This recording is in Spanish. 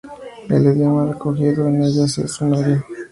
El idioma recogido en en ellas es sumerio.